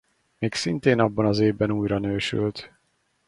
Még szintén abban az évben újranősült.